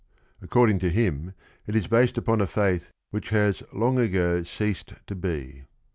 Acco rding to him it is based upon a faith which— has long ago ceased to be.